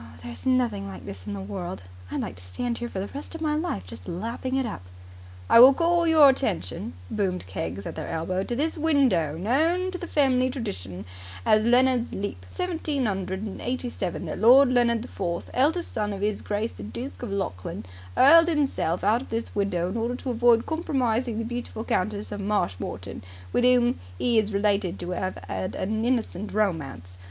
"There's nothing like this in the world. I'd like to stand here for the rest of my life, just lapping it up." "I will call your attention," boomed Keggs at their elbow, "to this window, known in the fem'ly tredition as Leonard's Leap. It was in the year seventeen 'undred and eighty seven that Lord Leonard Forth, eldest son of 'Is Grace the Dook of Lochlane, 'urled 'imself out of this window in order to avoid compromising the beautiful Countess of Marshmoreton, with oom 'e is related to 'ave 'ad a ninnocent romance.